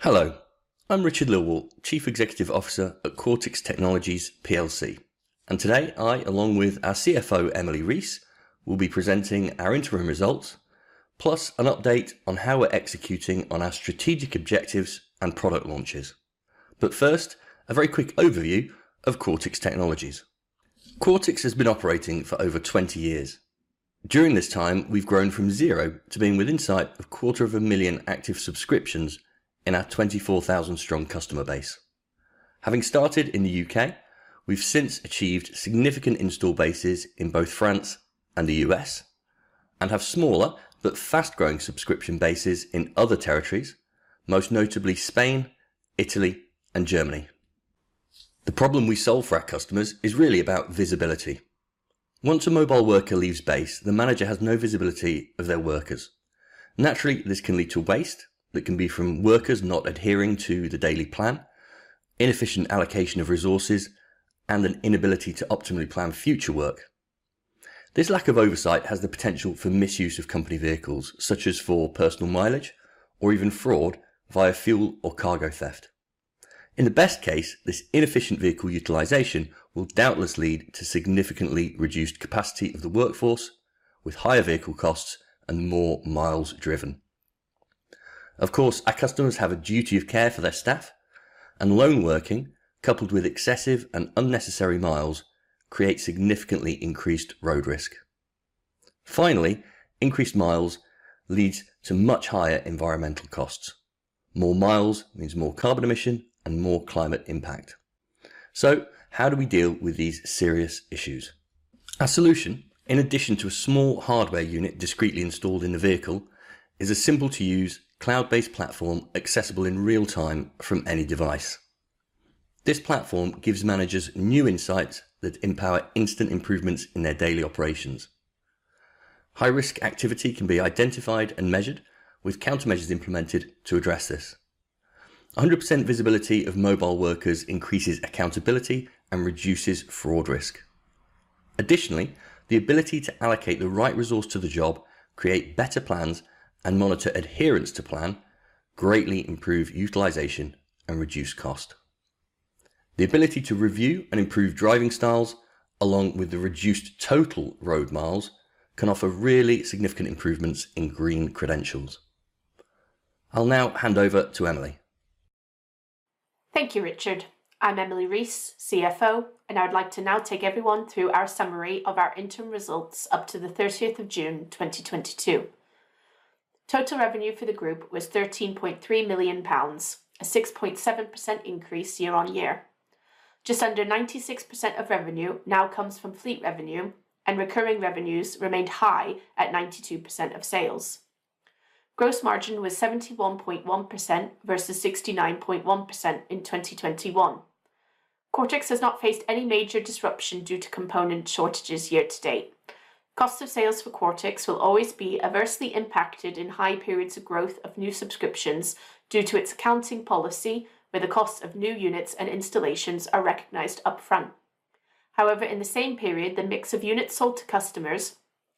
Hello, I'm Richard Lilwall, Chief Executive Officer at Quartix Technologies plc. Today I, along with our CFO, Emily Rees, will be presenting our interim results, plus an update on how we're executing on our strategic objectives and product launches. First, a very quick overview of Quartix Technologies. Quartix has been operating for over 20 years. During this time, we've grown from zero to being within sight of quarter of a million active subscriptions in our 24,000-strong customer base. Having started in the U.K., we've since achieved significant install bases in both France and the U.S., and have smaller but fast-growing subscription bases in other territories, most notably Spain, Italy, and Germany. The problem we solve for our customers is really about visibility. Once a mobile worker leaves base, the manager has no visibility of their workers. Naturally, this can lead to waste that can be from workers not adhering to the daily plan, inefficient allocation of resources, and an inability to optimally plan future work. This lack of oversight has the potential for misuse of company vehicles, such as for personal mileage or even fraud via fuel or cargo theft. In the best case, this inefficient vehicle utilization will doubtless lead to significantly reduced capacity of the workforce with higher vehicle costs and more miles driven. Of course, our customers have a duty of care for their staff, and lone working, coupled with excessive and unnecessary miles, create significantly increased road risk. Finally, increased miles leads to much higher environmental costs. More miles means more carbon emission and more climate impact. How do we deal with these serious issues? Our solution, in addition to a small hardware unit discreetly installed in the vehicle, is a simple-to-use cloud-based platform accessible in real time from any device. This platform gives managers new insights that empower instant improvements in their daily operations. High-risk activity can be identified and measured with countermeasures implemented to address this. 100% visibility of mobile workers increases accountability and reduces fraud risk. Additionally, the ability to allocate the right resource to the job, create better plans, and monitor adherence to plan greatly improve utilization and reduce cost. The ability to review and improve driving styles along with the reduced total road miles can offer really significant improvements in green credentials. I'll now hand over to Emily. Thank you, Richard. I'm Emily Rees, CFO, and I would like to now take everyone through our summary of our interim results up to the 13th of June, 2022. Total revenue for the group was 13.3 million pounds, a 6.7% increase year-on-year. Just under 96% of revenue now comes from fleet revenue, and recurring revenues remained high at 92% of sales. Gross margin was 71.1% versus 69.1% in 2021. Quartix has not faced any major disruption due to component shortages year to date. Cost of sales for Quartix will always be adversely impacted in high periods of growth of new subscriptions due to its accounting policy, where the cost of new units and installations are recognized upfront. However, in the same period, the mix of units sold to customers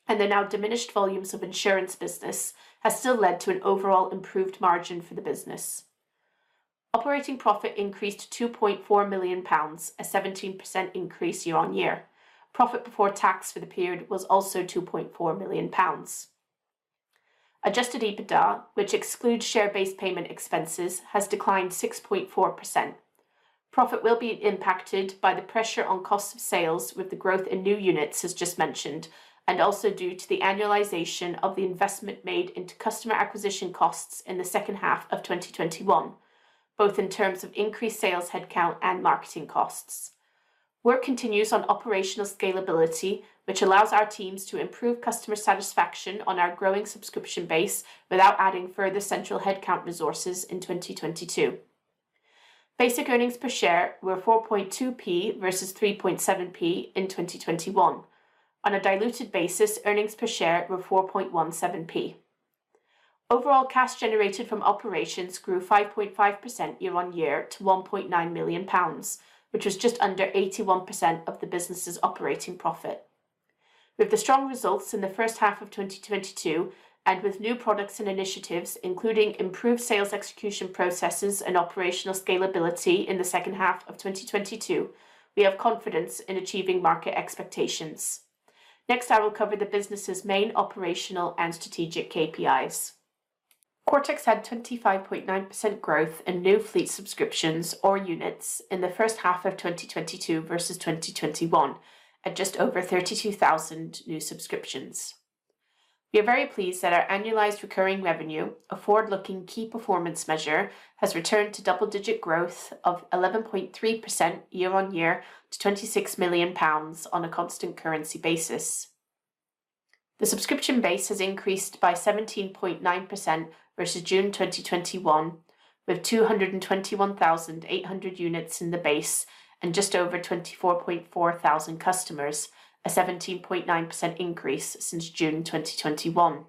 and the now diminished volumes of insurance business has still led to an overall improved margin for the business. Operating profit increased to 2.4 million pounds, a 17% increase year-on-year. Profit before tax for the period was also 2.4 million pounds. Adjusted EBITDA, which excludes share-based payment expenses, has declined 6.4%. Profit will be impacted by the pressure on cost of sales with the growth in new units as just mentioned, and also due to the annualization of the investment made into customer acquisition costs in the second half of 2021, both in terms of increased sales headcount and marketing costs. Work continues on operational scalability, which allows our teams to improve customer satisfaction on our growing subscription base without adding further central headcount resources in 2022. Basic earnings per share were 0.042 versus 0.037 in 2021. On a diluted basis, earnings per share were 0.0417. Overall cash generated from operations grew 5.5% year-on-year to 1.9 million pounds, which was just under 81% of the business's operating profit. With the strong results in the first half of 2022 and with new products and initiatives, including improved sales execution processes and operational scalability in the second half of 2022, we have confidence in achieving market expectations. Next, I will cover the business's main operational and strategic KPIs. Quartix had 25.9% growth in new fleet subscriptions or units in the first half of 2022 versus 2021, at just over 32,000 new subscriptions. We are very pleased that our annualized recurring revenue, a forward-looking key performance measure, has returned to double-digit growth of 11.3% year on year to 26 million pounds on a constant currency basis. The subscription base has increased by 17.9% versus June 2021, with 221,800 units in the base and just over 24,400 customers, a 17.9% increase since June 2021.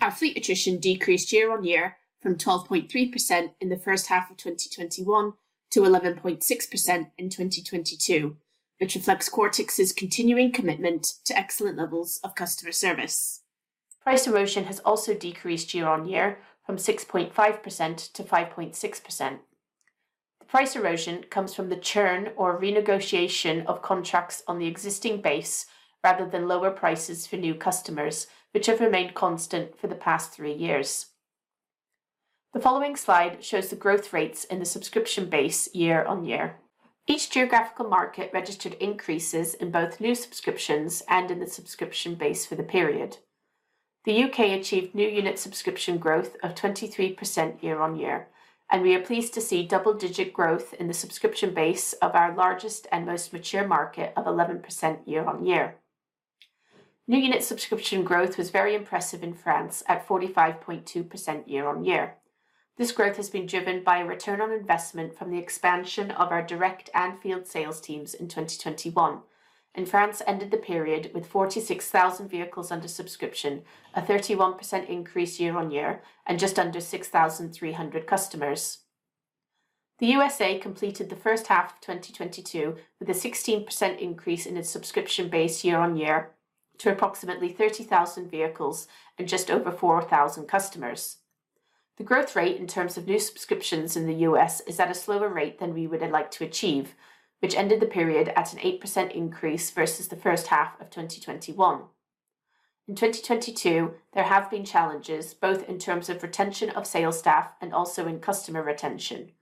Our fleet attrition decreased year on year from 12.3% in the first half of 2021 to 11.6% in 2022, which reflects Quartix's continuing commitment to excellent levels of customer service. Price erosion has also decreased year-over-year from 6.5% to 5.6%. The price erosion comes from the churn or renegotiation of contracts on the existing base rather than lower prices for new customers, which have remained constant for the past three years. The following slide shows the growth rates in the subscription base year-over-year. Each geographical market registered increases in both new subscriptions and in the subscription base for the period. The U.K. achieved new unit subscription growth of 23% year-over-year, and we are pleased to see double digit growth in the subscription base of our largest and most mature market of 11% year-over-year. New unit subscription growth was very impressive in France at 45.2% year-over-year. This growth has been driven by return on investment from the expansion of our direct and field sales teams in 2021. France ended the period with 46,000 vehicles under subscription, a 31% increase year-on-year and just under 6,300 customers. The U.S. completed the first half of 2022 with a 16% increase in its subscription base year-on-year to approximately 30,000 vehicles and just over 4,000 customers. The growth rate in terms of new subscriptions in the U.S. is at a slower rate than we would have liked to achieve, which ended the period at an 8% increase versus the first half of 2021. In 2022, there have been challenges both in terms of retention of sales staff and also in customer retention.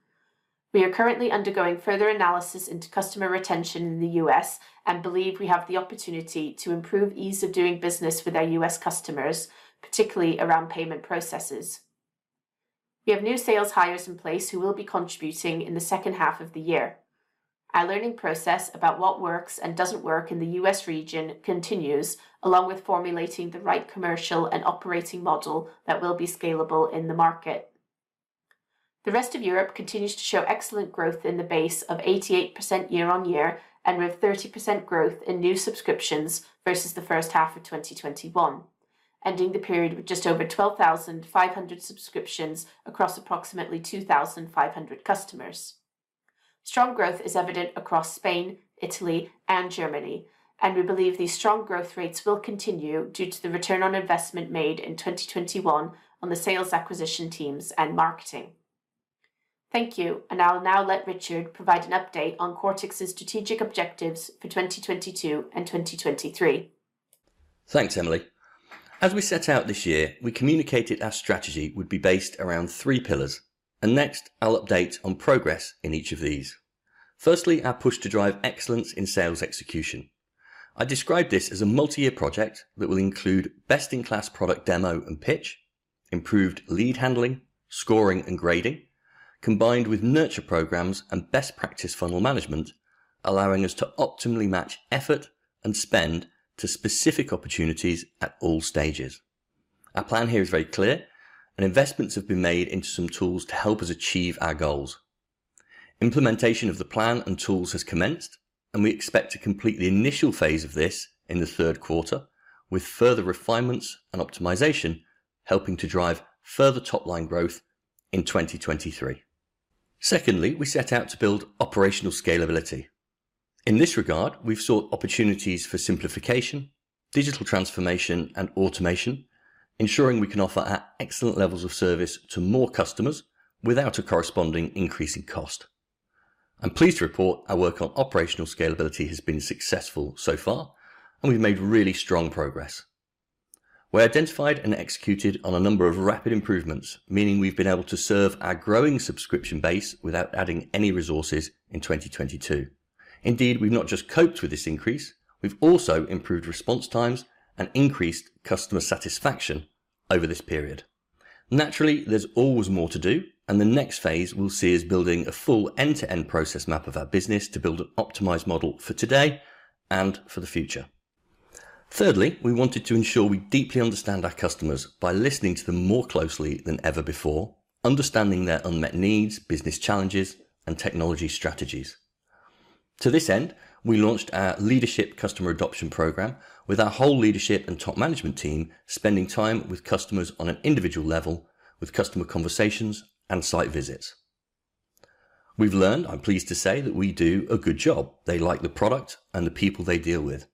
We are currently undergoing further analysis into customer retention in the U.S. and believe we have the opportunity to improve ease of doing business with our U.S. customers, particularly around payment processes. We have new sales hires in place who will be contributing in the second half of the year. Our learning process about what works and doesn't work in the U.S. region continues, along with formulating the right commercial and operating model that will be scalable in the market. The rest of Europe continues to show excellent growth in the base of 88% year-on-year and with 30% growth in new subscriptions versus the first half of 2021, ending the period with just over 12,500 subscriptions across approximately 2,500 customers. Strong growth is evident across Spain, Italy and Germany, and we believe these strong growth rates will continue due to the return on investment made in 2021 on the sales acquisition teams and marketing. Thank you. I'll now let Richard provide an update on Quartix's strategic objectives for 2022 and 2023. Thanks, Emily. As we set out this year, we communicated our strategy would be based around three pillars. Next, I'll update on progress in each of these. Firstly, our push to drive excellence in sales execution. I described this as a multi-year project that will include best in class product demo and pitch, improved lead handling, scoring and grading, combined with nurture programs and best practice funnel management, allowing us to optimally match effort and spend to specific opportunities at all stages. Our plan here is very clear and investments have been made into some tools to help us achieve our goals. Implementation of the plan and tools has commenced, and we expect to complete the initial phase of this in the third quarter, with further refinements and optimization helping to drive further top line growth in 2023. Secondly, we set out to build operational scalability. In this regard, we've sought opportunities for simplification, digital transformation and automation, ensuring we can offer our excellent levels of service to more customers without a corresponding increase in cost. I'm pleased to report our work on operational scalability has been successful so far, and we've made really strong progress. We identified and executed on a number of rapid improvements, meaning we've been able to serve our growing subscription base without adding any resources in 2022. Indeed, we've not just coped with this increase, we've also improved response times and increased customer satisfaction over this period. Naturally, there's always more to do, and the next phase we'll see is building a full end-to-end process map of our business to build an optimized model for today and for the future. Thirdly, we wanted to ensure we deeply understand our customers by listening to them more closely than ever before, understanding their unmet needs, business challenges, and technology strategies. To this end, we launched our leadership customer adoption program with our whole leadership and top management team spending time with customers on an individual level with customer conversations and site visits. We've learned, I'm pleased to say, that we do a good job. They like the product and the people they deal with.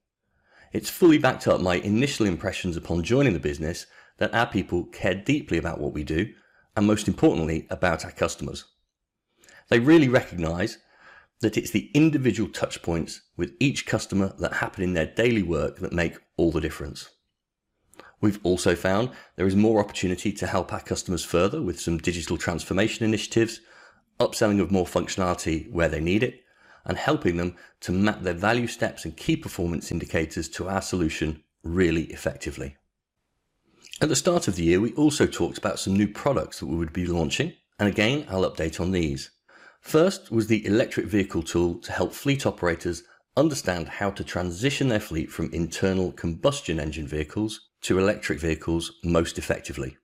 It's fully backed up my initial impressions upon joining the business that our people care deeply about what we do and most importantly about our customers. They really recognize that it's the individual touch points with each customer that happen in their daily work that make all the difference. We've also found there is more opportunity to help our customers further with some digital transformation initiatives, upselling of more functionality where they need it, and helping them to map their value steps and key performance indicators to our solution really effectively. At the start of the year, we also talked about some new products that we would be launching, and again, I'll update on these. First was the electric vehicle tool to help fleet operators understand how to transition their fleet from internal combustion engine vehicles to electric vehicles most effectively.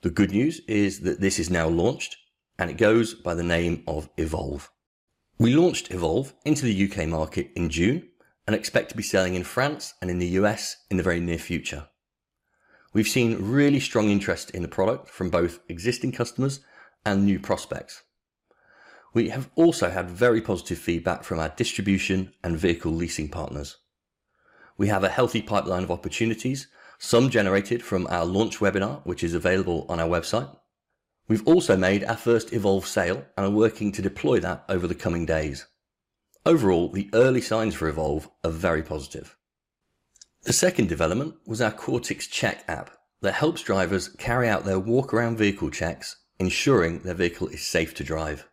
The good news is that this is now launched, and it goes by the name of EVolve. We launched EVolve into the U.K. market in June and expect to be selling in France and in the U.S. in the very near future. We've seen really strong interest in the product from both existing customers and new prospects. We have also had very positive feedback from our distribution and vehicle leasing partners. We have a healthy pipeline of opportunities, some generated from our launch webinar, which is available on our website. We've also made our first EVolve sale and are working to deploy that over the coming days. Overall, the early signs for EVolve are very positive. The second development was our Quartix Check app that helps drivers carry out their walkaround vehicle checks, ensuring their vehicle is safe to drive.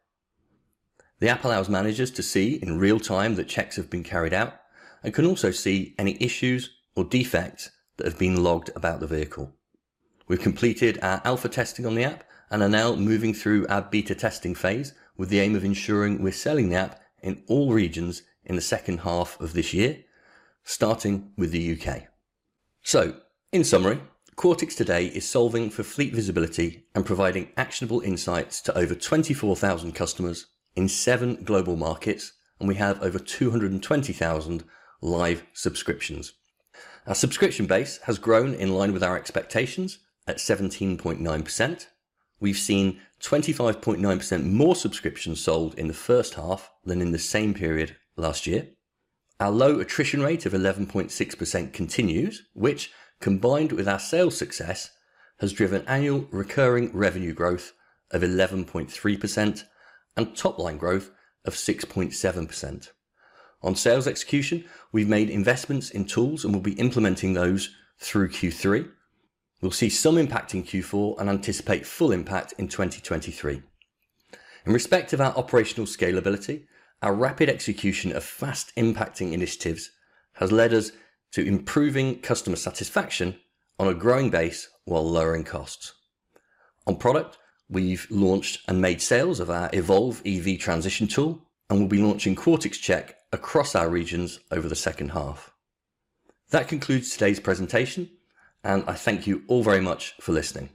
The app allows managers to see in real time that checks have been carried out and can also see any issues or defects that have been logged about the vehicle. We've completed our alpha testing on the app and are now moving through our beta testing phase with the aim of ensuring we're selling the app in all regions in the second half of this year, starting with the U.K. In summary, Quartix today is solving for fleet visibility and providing actionable insights to over 24,000 customers in seven global markets, and we have over 220,000 live subscriptions. Our subscription base has grown in line with our expectations at 17.9%. We've seen 25.9% more subscriptions sold in the first half than in the same period last year. Our low attrition rate of 11.6% continues, which, combined with our sales success, has driven annual recurring revenue growth of 11.3% and top-line growth of 6.7%. On sales execution, we've made investments in tools, and we'll be implementing those through Q3. We'll see some impact in Q4 and anticipate full impact in 2023. In respect of our operational scalability, our rapid execution of fast-impacting initiatives has led us to improving customer satisfaction on a growing base while lowering costs. On product, we've launched and made sales of our EVolve EV transition tool, and we'll be launching Quartix Check across our regions over the second half. That concludes today's presentation, and I thank you all very much for listening.